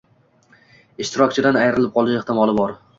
ishtirokchidan ayrilib qolish ehtimoli bor.